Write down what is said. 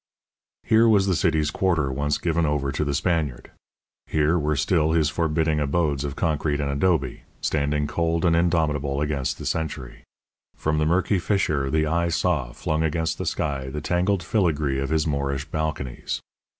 Here was the city's quarter once given over to the Spaniard. Here were still his forbidding abodes of concrete and adobe, standing cold and indomitable against the century. From the murky fissure, the eye saw, flung against the sky, the tangled filigree of his Moorish balconies.